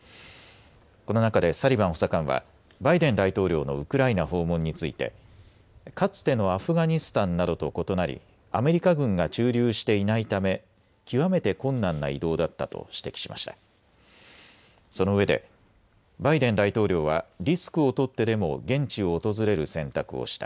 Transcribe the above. この中でサリバン補佐官はバイデン大統領のウクライナ訪問についてかつてのアフガニスタンなどと異なりアメリカ軍が駐留していないため極めて困難な移動だったと指摘しました。